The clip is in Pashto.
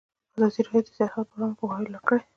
ازادي راډیو د سیاست لپاره عامه پوهاوي لوړ کړی.